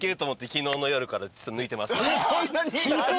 昨日の夜抜いてます。